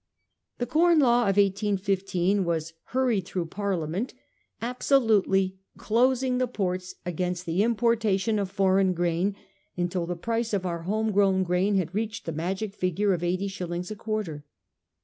The Corn Law of 1815 was hurried «30 A HISTORY OF OUR OWN TIMES. COT. XIV. through Parliament, absolutely closing the ports against the importation of foreign grain until the price of our home grown grain had reached the magic figure of eighty shillings a quarter.